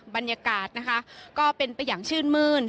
บรรยากาศนะคะก็เป็นไปอย่างชื่นมื้น